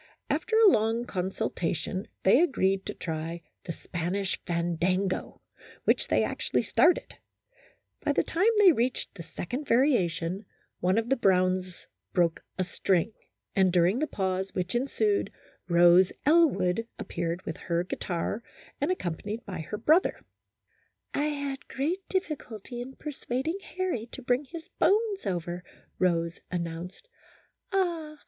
After a long consultation, they agreed to try the " Spanish Fandango," which they actually started ; by the time they reached the second variation, one of the Browns broke a string, and during the pause which ensued, Rose Elwood appeared with her guitar, and accompanied by her brother. " I had great difficulty in persuading Harry to bring his bones over," Rose announced. " Ah